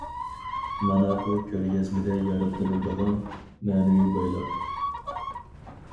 مانا بۇ كۆرگەزمىدە يارىتىلىدىغان مەنىۋى بايلىق.